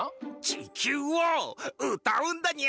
「ちきゅう」をうたうんだニャ。